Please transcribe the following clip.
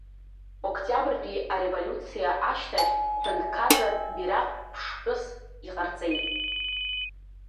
Октиабртәи ареволиуциа ашьҭахь, ҳәынҭқарратә бираҟ ԥштәыс иҟарҵеит.